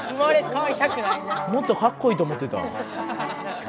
もっとかっこいいと思ってた。